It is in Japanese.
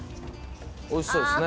おいしそうですね